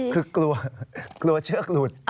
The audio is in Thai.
คือกลัวกลัวเชือกหลุด